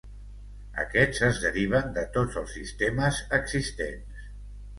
Aquests es deriven de tots els sistemes existents.